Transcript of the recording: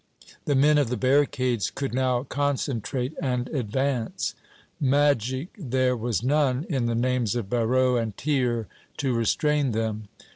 The men of the barricades could now concentrate and advance. Magic there was none in the names of Barrot and Thiers to restrain them.